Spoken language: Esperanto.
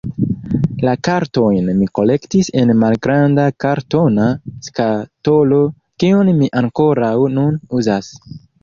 La kartojn mi kolektis en malgranda kartona skatolo, kiun mi ankoraŭ nun uzas.